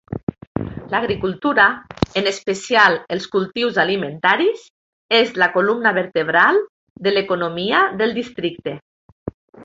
L'agricultura, en especial els cultius alimentaris, és la columna vertebral de l'economia del districte.